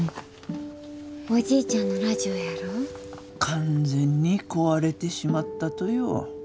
完全に壊れてしまったとよ。